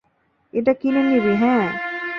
এটা কিনে নিবি, - হ্যাঁ।